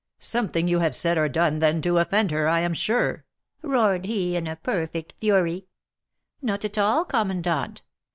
'Something you have said or done, then, to offend her, I am sure!' roared he in a perfect fury. 'Not at all, commandant.